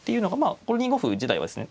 これ２五歩自体はですね